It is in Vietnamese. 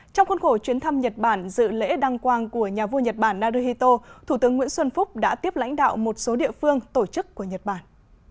trong khuôn khổ chuyến thăm nhật bản dự lễ đăng quang của nhà vua nhật bản naruhito thủ tướng nguyễn xuân phúc đã tiếp lãnh đạo một số địa phương tổ chức của nhật bản